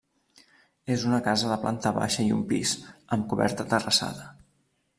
És una casa de planta baixa i un pis, amb coberta terrassada.